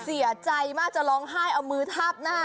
เสียใจมากจะร้องไห้เอามือทาบหน้า